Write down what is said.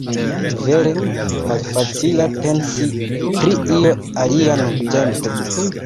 Vere, malfacilas pensi pri io alia nuntempe...